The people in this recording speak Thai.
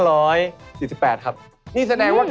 ดีมากดีมากดีมาก